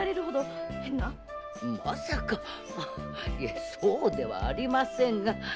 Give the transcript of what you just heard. まさかいえそうではありませんが。